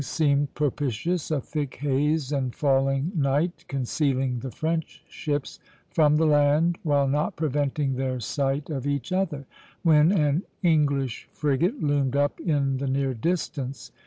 Everything seemed propitious, a thick haze and falling night concealing the French ships from the land, while not preventing their sight of each other, when an English frigate loomed up in the near distance.